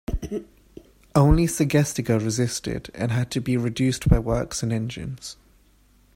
Only "Segestica" resisted, and had to be "reduced by works and engines".